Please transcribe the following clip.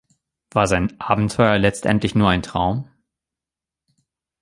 War sein Abenteuer letztendlich nur ein Traum?